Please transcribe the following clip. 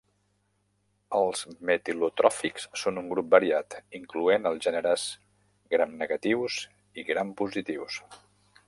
Els metilotròfics són un grup variat, incloent els gèneres gramnegatius i grampositius.